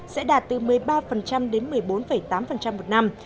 sẽ đạt từ một mươi ba đến một mươi bốn tám một năm